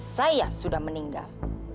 saya sudah meninggal